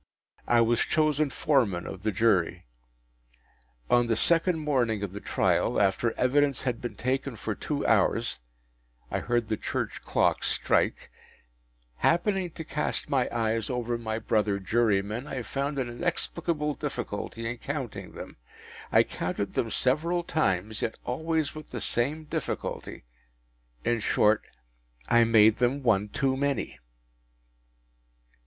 I was chosen Foreman of the Jury. On the second morning of the trial, after evidence had been taken for two hours (I heard the church clocks strike), happening to cast my eyes over my brother jurymen, I found an inexplicable difficulty in counting them. I counted them several times, yet always with the same difficulty. In short, I made them one too many.